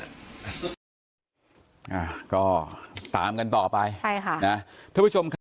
อ่าก็ตามกันต่อไปใช่ค่ะนะท่านผู้ชมครับ